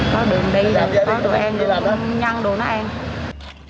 có đường đi có đồ ăn nhân đồ ăn